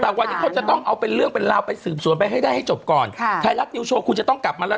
ตำรวจเขาพูดตั้งแต่เมื่อปีที่แล้วแล้วว่า